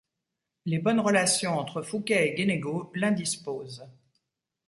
Les bonnes relations entre Fouquet et Guénégaud l'indisposent.